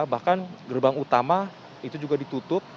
bahkan gerbang utama itu juga ditutup